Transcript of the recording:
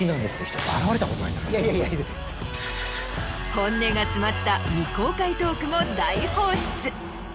本音が詰まった未公開トークも大放出！